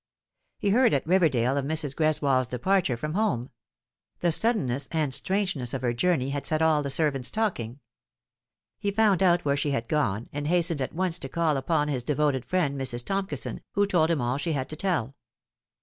He heard at Riverdale of Mrs. Greswold's departure from home. The suddenness and strangeness of her journey had set all the servants talking. He found out where she had gone, and hastened at once to call upon his devoted friend Mrs. Tomkison, who told him all she had to tell.